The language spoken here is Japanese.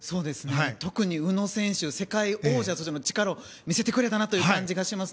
特に宇野選手世界王者としての力を見せてくれたなという感じがします。